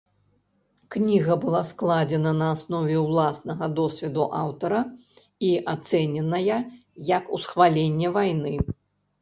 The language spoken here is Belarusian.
Кніга была складзена на аснове ўласнага досведу аўтара і ацэненая як усхваленне вайны.